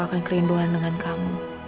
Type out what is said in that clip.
akan kerinduan dengan kamu